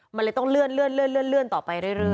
มันเลยต้องเลื่อนต่อไปเรื่อย